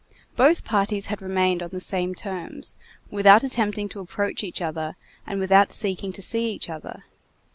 Both parties had remained on the same terms, without attempting to approach each other, and without seeking to see each other.